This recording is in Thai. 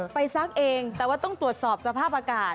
ซักเองแต่ว่าต้องตรวจสอบสภาพอากาศ